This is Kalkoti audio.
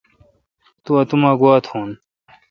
تو اتوما گوا تھون۔